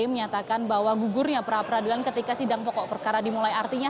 menyatakan bahwa gugurnya pra peradilan ketika sidang pokok perkara dimulai artinya